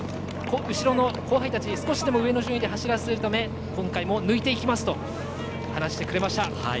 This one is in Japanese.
後ろの後輩たちに少しでも上の順位で走らせるため今回も抜いていきますと話してくれました。